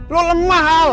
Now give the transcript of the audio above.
lo lemah al